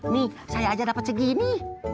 nih saya aja dapat segini